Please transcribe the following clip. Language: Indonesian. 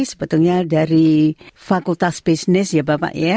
sebetulnya dari fakultas bisnis ya bapak ya